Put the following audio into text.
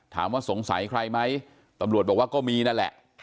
สงสัยใครไหมตำรวจบอกว่าก็มีนั่นแหละ